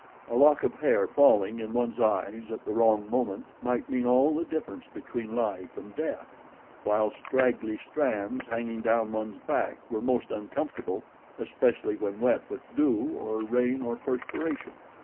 A lock of hair falling in one's eyes at the wrong moment might mean all the difference between life and death, while straggly strands, hanging down one's back were most uncomfortable, especially when wet with dew or rain or perspiration.